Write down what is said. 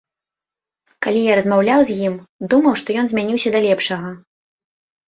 Калі я размаўляў з ім, думаў, што ён змяніўся да лепшага.